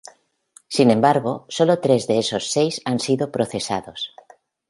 Sin embargo, solo tres de esos seis han sido procesados.